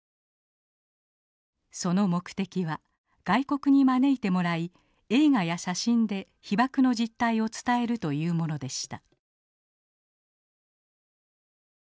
その目的は外国に招いてもらい映画や写真で被爆の実態を伝えるというものでした。